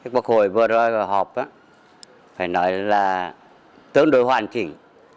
quốc hội vừa rồi họp phải nói là tương đối hoàn chỉnh